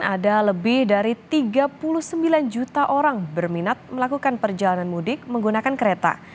ada lebih dari tiga puluh sembilan juta orang berminat melakukan perjalanan mudik menggunakan kereta